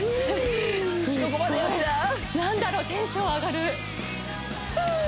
何だろうテンション上がるフー！